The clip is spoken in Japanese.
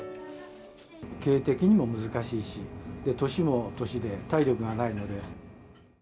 経営的にも難しいし、年も年で、体力がないので。